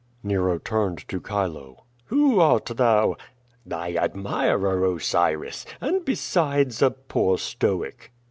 Nero turned to Chilo. "Who art thou?" "Thy admirer, Osiris! and besides, a poor Stoic."